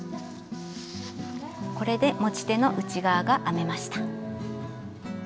これで持ち手の内側が編めました。